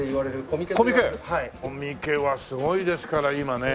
コミケはすごいですから今ね。